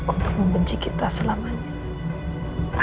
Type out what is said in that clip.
untuk membenci kita selamanya